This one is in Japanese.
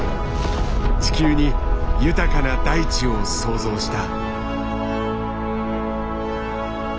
地球に豊かな大地を創造した。